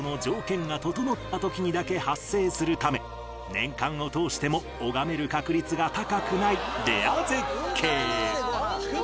年間を通しても拝める確率が高くないレア絶景